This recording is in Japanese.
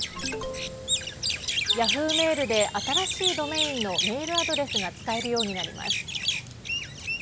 Ｙａｈｏｏ！メールで新しいドメインのメールアドレスが使えるようになります。